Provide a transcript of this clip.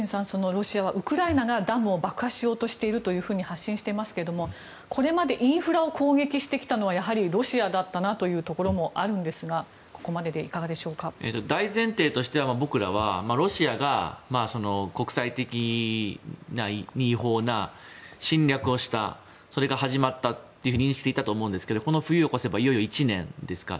ロシアはウクライナがダムを爆破しようとしていると発信していますが、これまでインフラを攻撃してきたのはやはりロシアだったなというところもあるんですが大前提としては僕らはロシアが国際的に違法な侵略をしたそれが始まったと認識していたと思うんですけどこの冬を越せばいよいよ１年ですか。